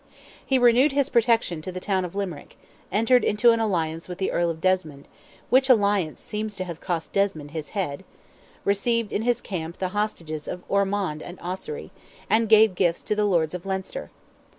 He renewed his protection to the town of Limerick, entered into an alliance with the Earl of Desmond—which alliance seems to have cost Desmond his head—received in his camp the hostages of Ormond and Ossory, and gave gifts to the lords of Leinster.